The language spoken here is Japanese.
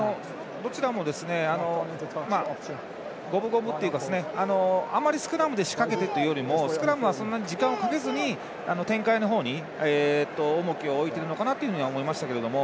どちらも五分五分っていうかあまりスクラムで仕掛けてというよりもスクラムはそんなに時間をかけずに展開のほうに重きを置いてるのかなとは思いましたけれども。